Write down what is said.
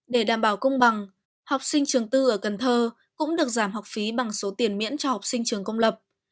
để đảm bảo công bằng học sinh trường tư ở cần thơ cũng được giảm học phí bằng số tiền miễn cho học sinh trường công lập